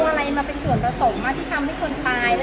อะไรมาเป็นส่วนผสมที่ทำให้คนตาย